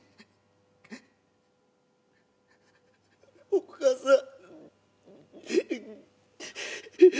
お義母さん。